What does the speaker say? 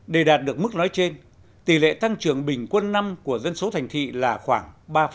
để đạt được mức nói trên tỷ lệ tăng trưởng bình quân năm của dân số thành thị là khoảng ba